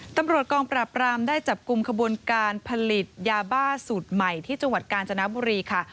ตำรวจกองปราบรามได้จับกลุ่มขบวนการผลิตยาบ้าสูตรใหม่ที่จังหวัดกาญจนบุรีค่ะ